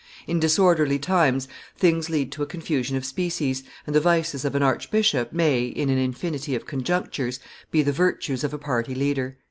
In disorderly times, things lead to a confusion of species, and the vices of an archbishop may, in an infinity of conjunctures, be the virtues of a party leader."